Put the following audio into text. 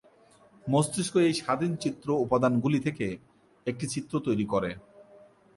মস্তিষ্ক এই স্বাধীন চিত্র উপাদানগুলি থেকে একটি চিত্র তৈরি করে।